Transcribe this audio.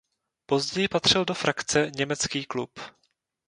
Později patřil do frakce Německý klub.